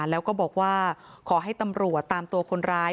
แล้วก็บอกว่าขอให้ตำรวจตามตัวคนร้าย